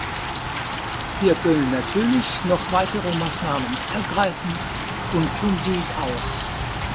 Wir können natürlich noch weitere Maßnahmen ergreifen und tun dies auch.